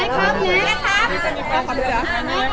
นี้ครับ